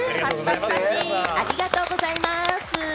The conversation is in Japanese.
ありがとうございます！